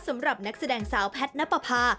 สำหรับนักแสดงสาวแพทย์นับประพา